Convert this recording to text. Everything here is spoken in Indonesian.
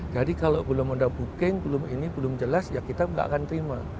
jadi kalau belum ada booking belum ini belum jelas ya kita nggak akan terima